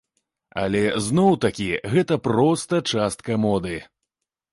Але зноў такі, гэта проста частка моды.